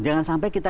jangan sampai kita